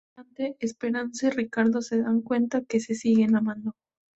Y en un instante, Esperanza y Ricardo se dan cuenta que se siguen amando.